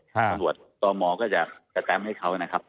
สังหวัดต่อหมอก็จะกระแทมป์ให้เขานะครับ